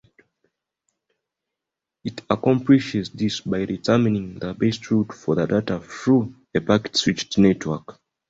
It accomplishes this by determining the best route for data through a packet-switched network.